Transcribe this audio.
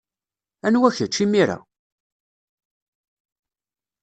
Anwa kečč, imir-a?